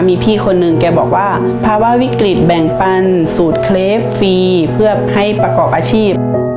มีพี่คนหนึ่งแกบอกว่าภาวะวิกฤตแบ่งปันสูตรเคลฟรีเพื่อให้ประกอบอาชีพ